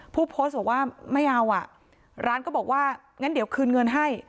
ผู้โพสต์บอกว่าไม่เอาอ่ะร้านก็บอกว่างั้นเดี๋ยวคืนเงินให้